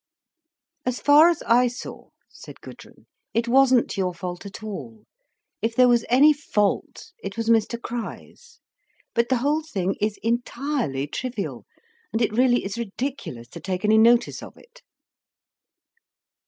"As far as I saw," said Gudrun, "it wasn't your fault at all. If there was any fault, it was Mr Crich's. But the whole thing is entirely trivial, and it really is ridiculous to take any notice of it."